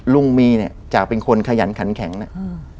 ลุงมีเนี่ยจากเป็นคนขยันขันแข็งเนี่ยอืม